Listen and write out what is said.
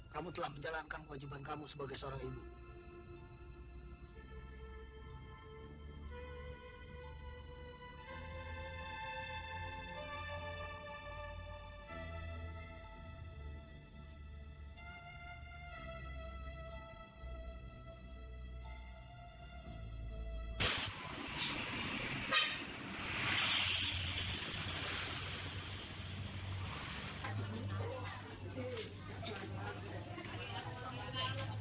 kamu telah menjalankan wajiban kamu sebagai seorang imam